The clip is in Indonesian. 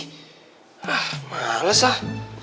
hah males lah